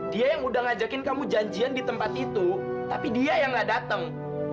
dia yang udah ngajakin kamu janjian di tempat itu tapi dia yang gak datang